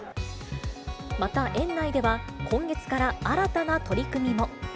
また、園内では今月から新たな取り組みも。